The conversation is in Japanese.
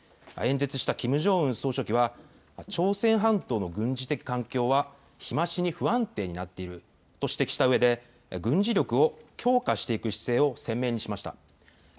演説したキム・ジョンウン総書記は朝鮮半島の軍事的環境は日増しに不安定になっていると指摘したうえで軍事力を強化していく姿勢を鮮明にしました。